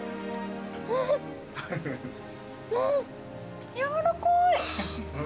うんやわらかい。